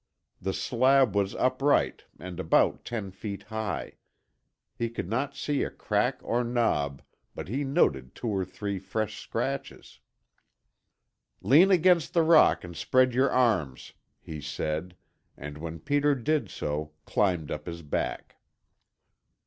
The slab was upright and about ten feet high; he could not see a crack or knob, but he noted two or three fresh scratches. "Lean against the rock and spread your arms," he said, and when Peter did so climbed up his back.